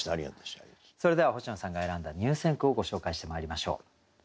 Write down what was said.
それでは星野さんが選んだ入選句をご紹介してまいりましょう。